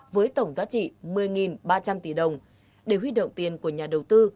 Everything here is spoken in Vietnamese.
với tổng giá trị một mươi ba trăm linh tỷ đồng để huy động tiền của nhà đầu tư